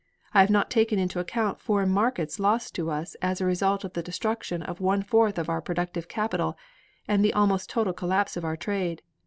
I have not taken into account foreign markets lost to us as a result of the destruction of one fourth of our productive capital and the almost total collapse of our trade.